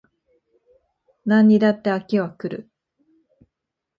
何にだって飽きは来る